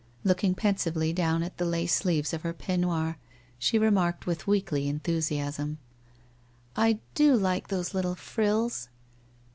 Looking pensively down at the lace sleeves of her peignoir, she remarked with weakly enthusiasm : 1 I (lo like those little frills